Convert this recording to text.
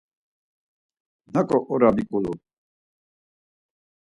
Naǩo ora miǩilu?